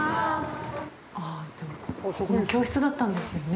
あっ、でも、ここも教室だったんですよね？